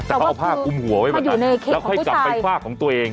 แต่เขาเอาฝากอุ้มหัวไว้บ้างแล้วค่อยกลับไปฝากของตัวเอง